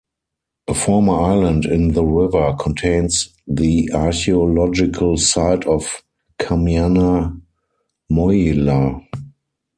A former island in the river contains the archaeological site of Kamyana Mohyla.